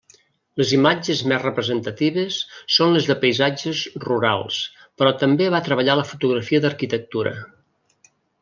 Les imatges més representatives són les de paisatges rurals, però també va treballar la fotografia d'arquitectura.